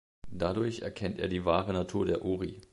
Dadurch erkennt er die wahre Natur der Ori.